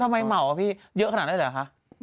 เออทำไมเหมาพี่เยอะขนาดนั้นเลยหรือคะ